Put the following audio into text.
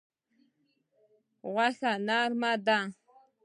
غوښه نرمه ده.